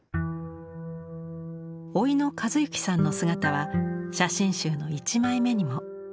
甥の和行さんの姿は写真集の１枚目にも。